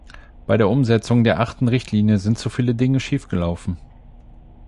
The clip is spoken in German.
Bei der Umsetzung der achten Richtlinie sind zu viele Dinge schief gelaufen.